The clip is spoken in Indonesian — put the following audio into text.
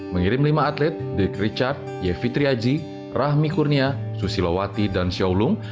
mengirim lima atlet dede richard ye fitriaji rahmi kurnia susilo wati dan xiao lung